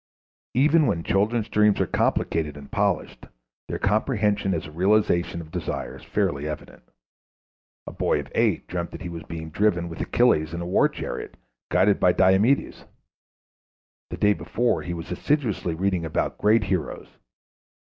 Even when children's dreams are complicated and polished, their comprehension as a realization of desire is fairly evident. A boy of eight dreamt that he was being driven with Achilles in a war chariot, guided by Diomedes. The day before he was assiduously reading about great heroes.